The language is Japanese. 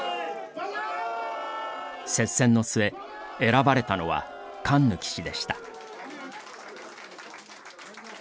接戦の末、選ばれたのは関貫氏でした。